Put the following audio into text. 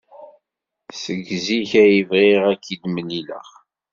Seg zik ay bɣiɣ ad k-id-mlileɣ.